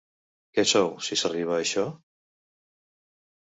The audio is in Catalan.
Què sou, si s'arriba a això?